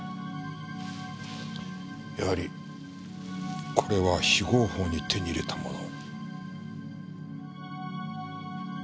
やはりこれは非合法に手に入れたもの。